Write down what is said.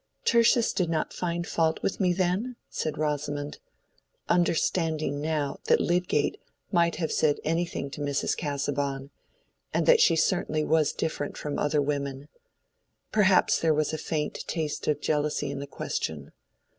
"Tertius did not find fault with me, then?" said Rosamond, understanding now that Lydgate might have said anything to Mrs. Casaubon, and that she certainly was different from other women. Perhaps there was a faint taste of jealousy in the question.